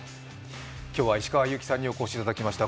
今日は石川祐希さんにお越しいただきました。